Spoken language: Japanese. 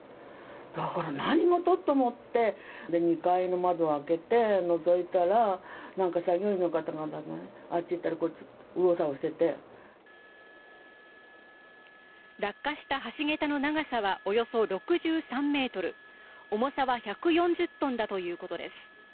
だから何事と思って、２回の窓を開けて、のぞいたら、なんか作業員の方があっち行ったり、こっち行ったり、右往左往し落下した橋桁の長さはおよそ６３メートル、重さは１４０トンだということです。